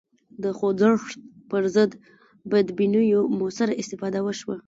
د خوځښت پر ضد بدبینیو موثره استفاده وشوه